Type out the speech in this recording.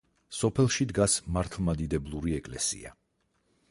სოფელში დგას მართლმადიდებლური ეკლესია.